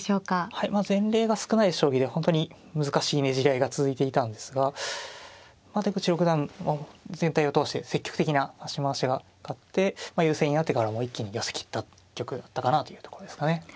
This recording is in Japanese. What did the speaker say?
はいまあ前例が少ない将棋で本当に難しいねじり合いが続いていたんですがまあ出口六段全体を通して積極的な指し回しがあって優勢になってからもう一気に寄せきった一局だったかなというとこですかね。